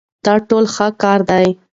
دا ټول ښه کارونه دي.